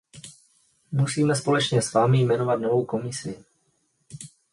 Musíme společně s vámi jmenovat novou Komisi.